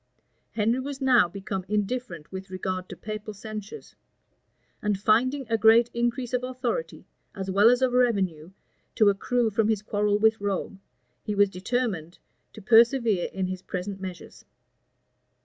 Henry was now become indifferent with regard to papal censures; and finding a great increase of authority, as well as of revenue, to accrue from his quarrel with Rome, he was determined to persevere in his present measures.